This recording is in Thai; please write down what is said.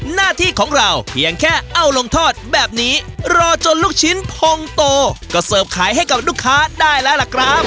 หน้าที่ของเราเพียงแค่เอาลงทอดแบบนี้รอจนลูกชิ้นพงโตก็เสิร์ฟขายให้กับลูกค้าได้แล้วล่ะครับ